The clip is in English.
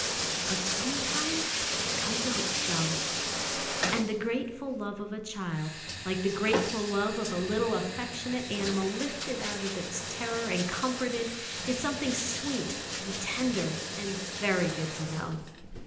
But sometimes it comes of itself; and the grateful love of a child, like the grateful love of a little affectionate animal lifted out of its terror and comforted, is something sweet and tender and very good to know.